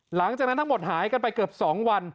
หลังจากนั้นทั้งหมดหายกันไปเกือบ๒วัน